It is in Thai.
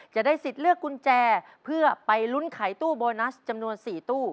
จะได้สิทธิ์เลือกกุญแจเพื่อไปลุ้นไขตู้โบนัสจำนวน๔ตู้